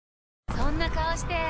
そんな顔して！